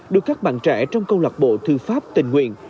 được các bạn trẻ trong câu lạc bộ thư pháp tình nguyện